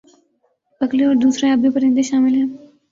بگلے اور دوسرے آبی پرندے شامل ہیں